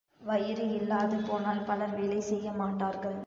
வயிறு இல்லாது போனால் பலர் வேலை செய்யமாட்டார்கள்.